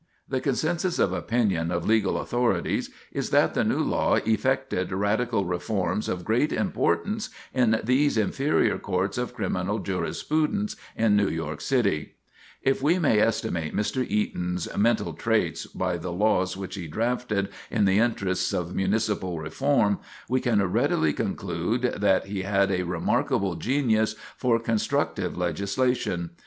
The consensus of opinion of legal authorities is that the new law effected radical reforms of great importance in these inferior courts of criminal jurisprudence in New York City. [Sidenote: Mental Traits of Dorman B. Eaton] If we may estimate Mr. Eaton's mental traits by the laws which he drafted in the interests of municipal reform, we can readily conclude that he had a remarkable genius for constructive legislation.